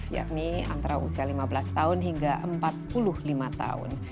yakni antara usia lima belas tahun hingga empat puluh lima tahun